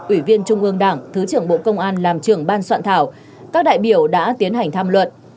ủy viên trung ương đảng thứ trưởng bộ công an làm trưởng ban soạn thảo các đại biểu đã tiến hành tham luận